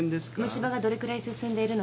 虫歯がどれくらい進んでいるのか見たいんで。